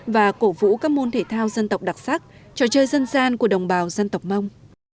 và cổ vũ các môn thể thao dân tộc đặc sắc trò chơi dân gian của đồng bào dân tộc mông